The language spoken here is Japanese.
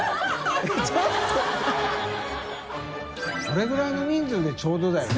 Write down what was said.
これぐらいの人数でちょうどだよね。